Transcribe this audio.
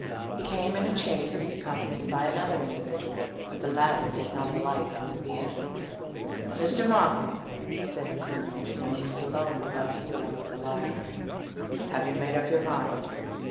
He came in a chaise, accompanied by another individual; but the latter did not alight from the vehicle. "Mr. Markham," said the Colonel, when he was alone with our hero, in the library, "have you made up your mind?"